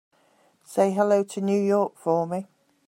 Say hello to New York for me.